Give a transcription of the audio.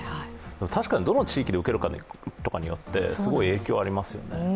確かにどの地域で受けるかによってすごい影響がありますよね。